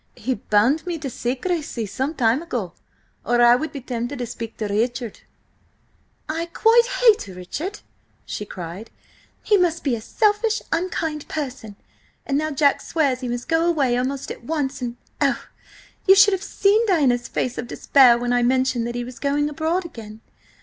He bound me to secrecy some time ago, or I would be tempted to speak to Richard." "I quite hate Richard!" she cried. "He must be a selfish, unkind person. And now Jack swears he must go away almost at once–and, oh! you should have seen Diana's face of despair when I mentioned that he was going abroad again.